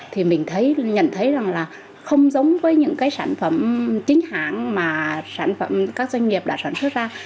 thì mình nhận thấy rằng là không giống với những sản phẩm chính hàng mà các doanh nghiệp đã sản xuất ra